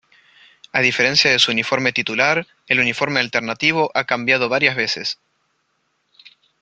A diferencia de su uniforme titular, el uniforme alternativo ha cambiado varias veces.